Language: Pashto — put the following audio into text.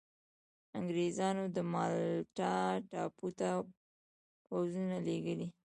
انګرېزانو د مالټا ټاپو ته پوځونه لېږلي.